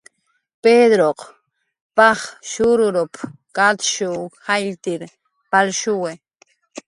"Pedruq paj shururup"" katshuw jaylltir jalshuwi"